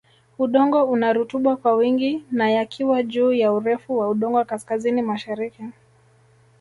Udongo una Rutuba kwa wingi na yakiwa juu ya urefu wa udongo kaskazini mashariki